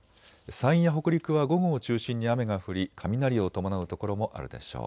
山陰や北陸は午後を中心に雨が降り、雷を伴う所もあるでしょう。